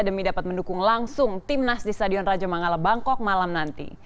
demi dapat mendukung langsung timnas di stadion raja mangala bangkok malam nanti